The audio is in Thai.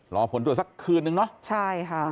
รอผลตรวจสักคืนนึงเนาะ